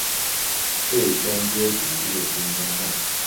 最终阶级陆军中将。